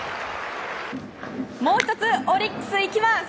もう１つ、オリックスいきます。